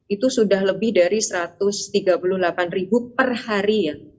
itu sudah lebih dari satu ratus tiga puluh delapan ribu per hari